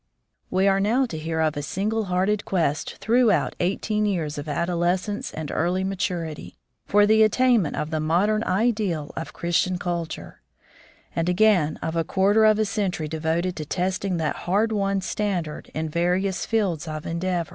We are now to hear of a single hearted quest throughout eighteen years of adolescence and eariy maturity, for the attainment of the modem ideal of Christian culture: and again of a quarter of a century devoted to testing that hard won standard in various fields of endeavor.